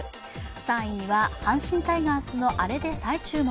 ３位には阪神タイガースのアレで再注目。